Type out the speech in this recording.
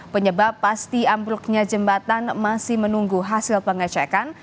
penyebab pasti ambruknya jembatan masih menunggu hasil pengecekan